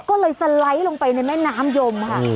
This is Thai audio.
ก็เลยสไลด์ลงไปในแม่น้ำยมค่ะ